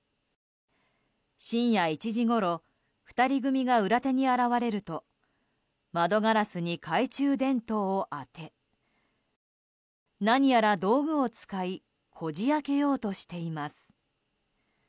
深夜１時ごろ２人組が裏手に現れると窓ガラスに懐中電灯を当て何やら道具を使いこじ開けようとしています。